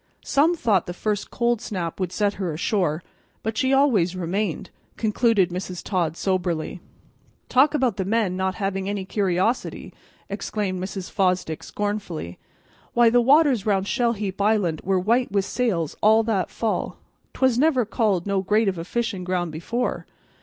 "Some thought the first cold snap would set her ashore, but she always remained," concluded Mrs. Todd soberly. "Talk about the men not having any curiosity!" exclaimed Mrs. Fosdick scornfully. "Why, the waters round Shell heap Island were white with sails all that fall. 'Twas never called no great of a fishin' ground before.